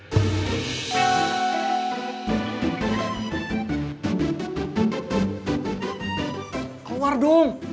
kau keluar dong